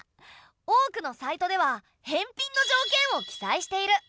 多くのサイトでは返品の条件を記載している。